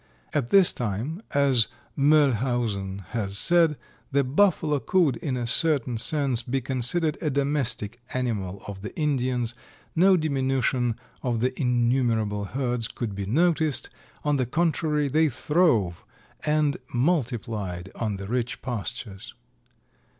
At this time, as Moellhausen has said, "The Buffalo could, in a certain sense, be considered a domestic animal of the Indians, no diminution of the innumerable herds could be noticed; on the contrary, they throve and multiplied on the rich pastures."